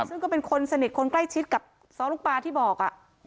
ซึ่งก็เป็นคนสนิทคนใกล้ชิดกับซ้อลูกปลาที่บอก